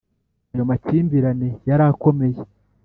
ayo makimbirane yari akomeye